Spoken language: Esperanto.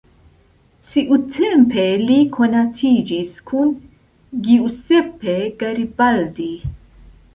Tiutempe li konatiĝis kun Giuseppe Garibaldi.